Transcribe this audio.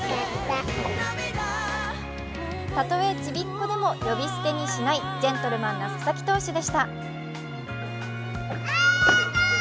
たとえ、ちびっ子でも呼び捨てにしないジェントルマンな佐々木投手でした。